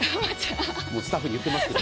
スタッフに言ってますけど。